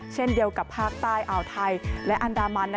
เช่นเดียวกับภาคใต้อ่าวไทยและอันดามัน